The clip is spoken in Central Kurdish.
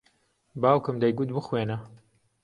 باوکم دەیگوت بخوێنە.